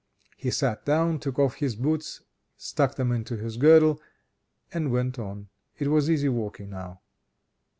He sat down, took off his boots, stuck them into his girdle, and went on. It was easy walking now.